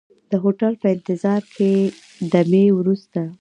د هوټل په انتظار ځای کې دمې وروسته.